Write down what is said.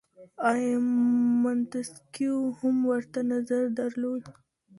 آیا منتسکیو هم ورته نظر درلود؟